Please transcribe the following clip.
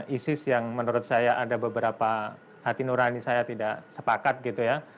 isis yang menurut saya ada beberapa hati nurani saya tidak sepakat gitu ya